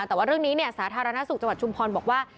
แต่ว่าเรื่องนี้สาธารณสุขจังหวัดชุมพรบอกว่า